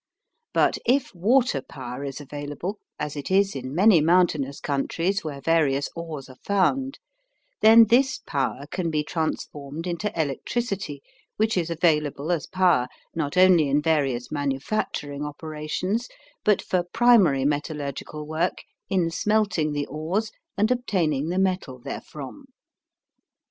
But if water power is available, as it is in many mountainous countries where various ores are found, then this power can be transformed into electricity which is available as power not only in various manufacturing operations, but for primary metallurgical work in smelting the ores and obtaining the metal therefrom.